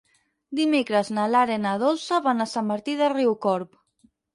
Dimecres na Lara i na Dolça van a Sant Martí de Riucorb.